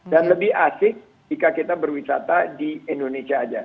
lebih asik jika kita berwisata di indonesia saja